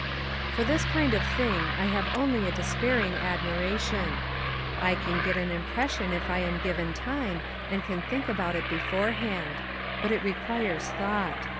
For this kind of thing I have only a despairing admiration. I can get an impression if I am given time and can think about it beforehand. But it requires thought.